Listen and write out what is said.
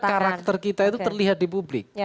karakter kita itu terlihat di publik